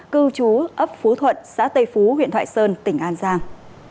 cư trú ấp phú thuận xã tây phú huyện thoại sơn tỉnh an giang